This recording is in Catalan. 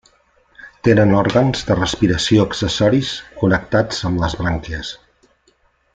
Tenen òrgans de respiració accessoris connectats amb les brànquies.